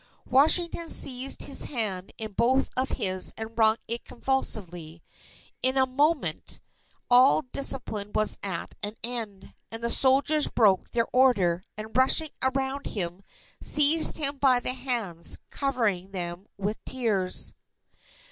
Washington seized his hand in both of his and wrung it convulsively. In a moment all discipline was at an end; and the soldiers broke their order, and rushing around him, seized him by the hands, covering them with tears.